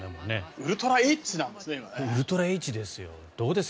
ウルトラＨですよ。